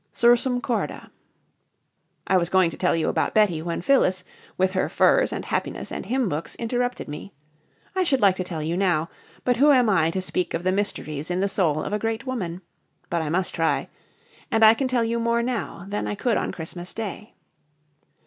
Sursum corda. I was going to tell you about Betty when Phyllis, with her furs and happiness and hymn books, interrupted me. I should like to tell you now. But who am I to speak of the mysteries in the soul of a great woman? But I must try. And I can tell you more now than I could on Christmas Day.